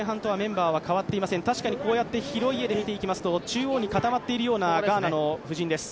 確かに広い画で見ていくと中央に固まっているようなガーナの布陣です。